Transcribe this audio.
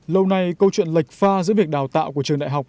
lâu nay câu chuyện lệch pha giữa việc đào tạo của trường đại học